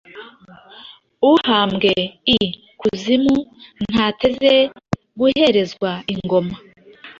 Uhambwe i kuzimu Ntateze guherezwa ingoma,